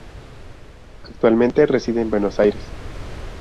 Actualmente reside en Buenos Aires.